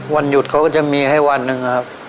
วันหยุดเค้าจะมีให้วันนึงครับ